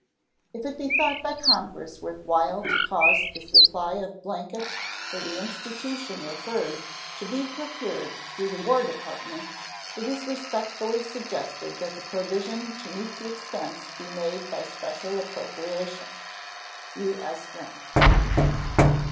If it be thought by Congress worth while to cause the supply of blankets for the institution referred to to be procured through the War Department, it is respectfully suggested that provision to meet the expense be made by special appropriation. U.S. GRANT.